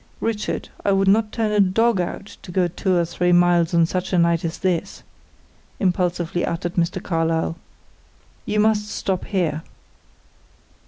"Richard, I would not turn a dog out to go two or three miles on such a night as this," impulsively uttered Mr. Carlyle. "You must stop here."